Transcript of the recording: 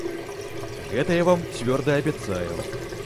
Гэта я вам цвёрда абяцаю.